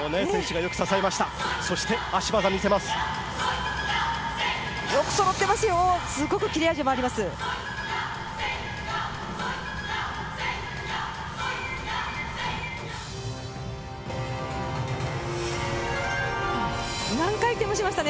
よく支えました。